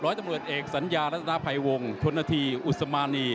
ร้อยตำรวจเอกสัญญารัฐพายวงชนธีอุตสมานี